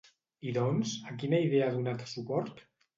I doncs, a quina idea ha donat suport?